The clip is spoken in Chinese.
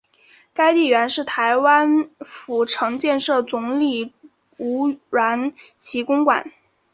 该地原是台湾府城建城总理吴鸾旗公馆。